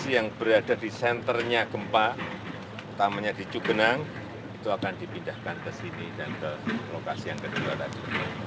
yang berada di senternya gempa utamanya di cugenang itu akan dipindahkan ke sini dan ke lokasi yang kedua tadi